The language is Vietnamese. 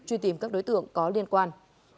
truy tìm các đối tượng có liên quan